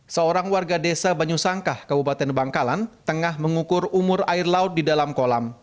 seorang warga desa banyusangkah kabupaten bangkalan tengah mengukur umur air laut di dalam kolam